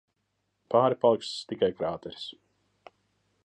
Pāri paliks tikai krāteris.